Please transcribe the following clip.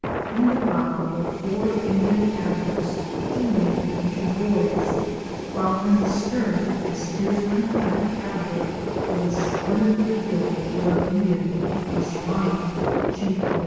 In the bow were four Indian paddlers, two men and two boys, while in the stern as steersman and paddler was a splendidly built Carib Indian, Marciano, chief of the Hoorie woodmen.